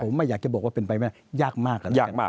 ผมไม่อยากจะบอกว่าเป็นไปไม่ได้ยากมาก